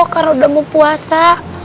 karena udah mau puasa